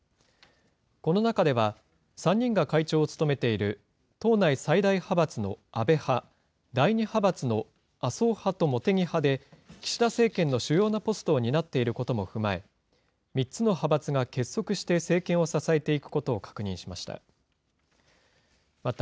この中では、３人が会長を務めている党内最大派閥の安倍派、第２派閥の麻生派と茂木派で、岸田政権の主要なポストを担っていることも踏まえ、３つの派閥が結束して、政権を支えていくことを確認しました。